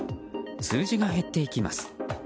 数字が減っていきます。